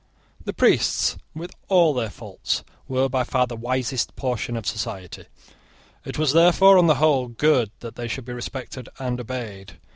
The priests, with all their faults, were by far the wisest portion of society. It was, therefore, on the whole, good that they should be respected and obeyed.